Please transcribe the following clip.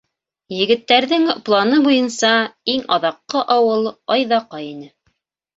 Егеттәрҙең планы буйынса, иң аҙаҡҡы ауыл Айҙаҡай ине.